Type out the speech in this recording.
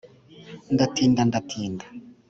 ndatinda ndatinya